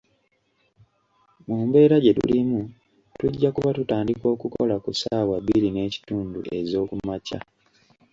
Mu mbeera gye tulimu tujja kuba tutandika okukola ku saawa bbiri n'ekitundu ez'okumakya.